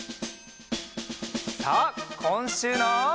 さあこんしゅうの。